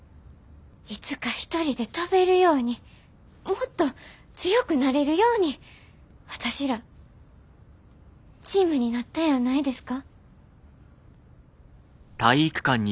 いつか一人で飛べるようにもっと強くなれるように私らチームになったんやないですか？